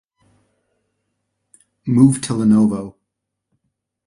Moved to Lenovo.